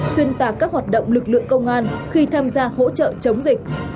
xuyên tạc các hoạt động lực lượng công an khi tham gia hỗ trợ chống dịch